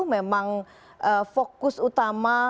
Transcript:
memang fokus utama